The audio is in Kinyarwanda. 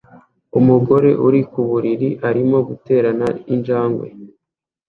Umugore uri ku buriri arimo guterana injangwe